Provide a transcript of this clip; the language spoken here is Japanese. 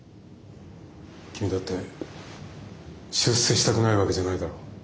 君だって出世したくないわけじゃないだろう。